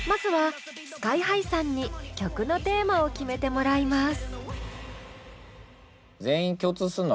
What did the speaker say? まずはＳＫＹ−ＨＩさんに曲のテーマを決めてもらいます。